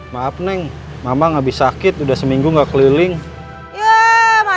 maaf neng mama nggak bisa kit udah seminggu enggak keliling ya mana peduli saya mau sakit